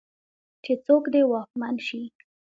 چې څوک دې واکمن شي.